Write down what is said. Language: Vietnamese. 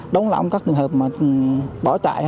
đóng lỏng các trường hợp bỏ chạy